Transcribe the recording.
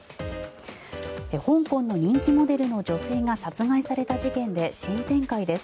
香港の人気モデルの女性が殺害された事件で新展開です。